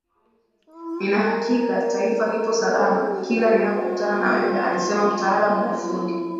Nina hakika Taifa lipo salama kila ninapokutana na wewe alisema mtaalamu wa ufundi